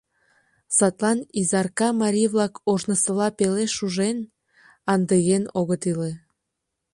Садлан Изарка марий-влак ожнысыла пеле шужен, андыген огыт иле.